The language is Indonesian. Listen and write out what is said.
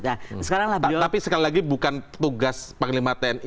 tapi sekali lagi bukan tugas panglima tni